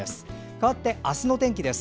かわって、明日の天気です。